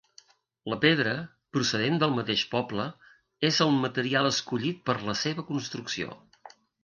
La pedra, procedent del mateix poble, és el material escollit per a la seva construcció.